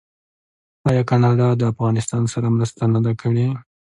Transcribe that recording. آیا کاناډا د افغانستان سره مرسته نه ده کړې؟